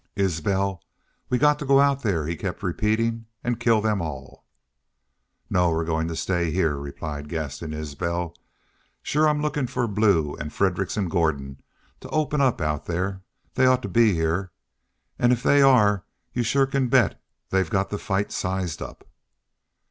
"Isbel, we got to go out thar," he kept repeating, "an' kill them all." "No, we're goin' to stay heah," replied Gaston Isbel. "Shore I'm lookin' for Blue an' Fredericks an' Gordon to open up out there. They ought to be heah, an' if they are y'u shore can bet they've got the fight sized up."